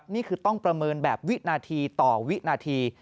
นี่คือต้องประเมินแบบวินาทีต่อวินาที